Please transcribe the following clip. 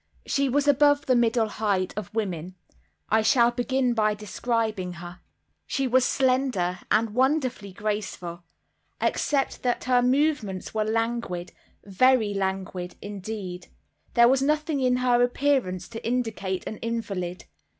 She was above the middle height of women. I shall begin by describing her. She was slender, and wonderfully graceful. Except that her movements were languid—very languid—indeed, there was nothing in her appearance to indicate an invalid.